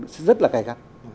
sẽ rất là cày gắt